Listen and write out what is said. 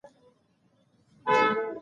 ژمی د افغانستان د ځایي اقتصادونو بنسټ دی.